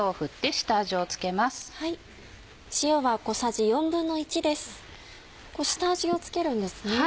下味を付けるんですね。